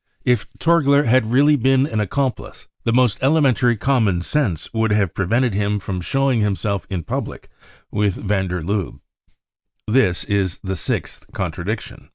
If Torgler had really been an accomplice, the most elementary common sense would have prevented him from showing himself in public with van der Lubbe. This is the sixth contradiction.